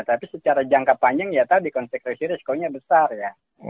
tapi secara jangka panjang ya tadi konsekuensi risikonya besar ya